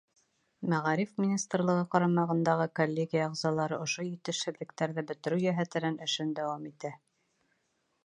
Мәғариф министрлығы ҡарамағындағы коллегия ағзалары ошо етешһеҙлектәрҙе бөтөрөү йәһәтенән эшен дауам итә.